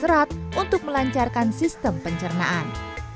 serat untuk melancarkan sistem pencernaan